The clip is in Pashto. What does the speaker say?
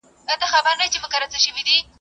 غريبان بايد يوازي پرې نه ښودل سي.